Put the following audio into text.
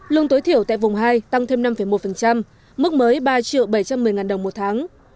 lương tối thiểu tại vùng hai tăng thêm năm một mức mới ba triệu bảy trăm một mươi đồng một tháng